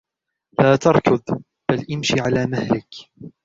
لا تركض ، بل امش على مهلك.